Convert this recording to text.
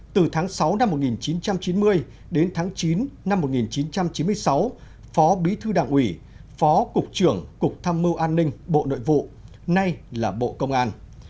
từ tháng sáu năm một nghìn chín trăm chín mươi đến tháng chín năm một nghìn chín trăm chín mươi sáu phó bí thư đảng ủy phó cục trưởng cục tham mưu an ninh bộ nội vụ nay là bộ công an